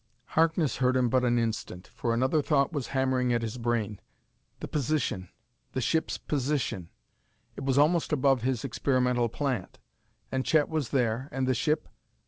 Harkness heard him but an instant, for another thought was hammering at his brain. The position! the ship's position! it was almost above his experimental plant! And Chet was there, and the ship....